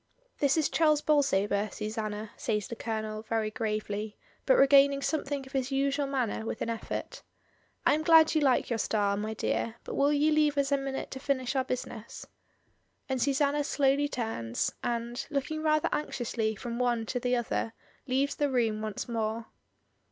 "This is Charles Bolsover, Susanna," says the Colonel, very gravely, but regaining something of his usual manner with an effort "I am glad you like your star, my dear, but will you leave us a minute to finish our business?" And Susanna slowly turns, and, looking rather anxiously from one to the other, leaves the room once more.